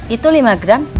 itu lima gram